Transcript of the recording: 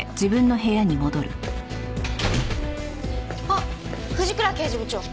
あっ藤倉刑事部長。